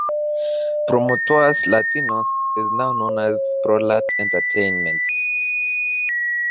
Promotores Latinos is now known as ProLat Entertainment.